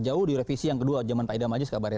jauh di revisi yang kedua zaman pak idam aziz kabarnya